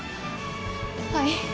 はい。